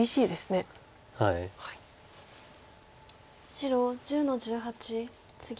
白１０の十八ツギ。